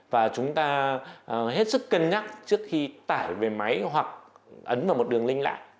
và chúng ta hết sức cân nhắc trước khi tải về máy hoặc ấn vào một đường link lại